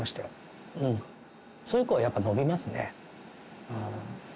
そういう子はやっぱ伸びますね。